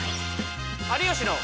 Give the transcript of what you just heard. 「有吉の」。